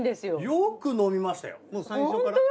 よく飲みました。